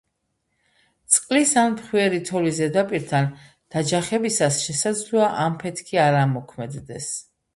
წყლის ან ფხვიერი თოვლის ზედაპირთან დაჯახებისას შესაძლოა ამფეთქი არ ამოქმედდეს.